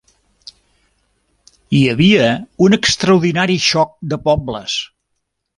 Hi havia un extraordinari xoc de pobles.